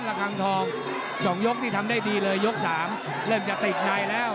ระคังทอง๒ยกนี่ทำได้ดีเลยยก๓เริ่มจะติดในแล้ว